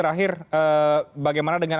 akhir bagaimana dengan